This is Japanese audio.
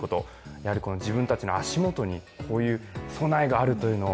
やはり自分たちの足元にこういう備えがあるというのを。